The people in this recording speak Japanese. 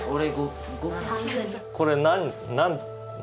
これ何？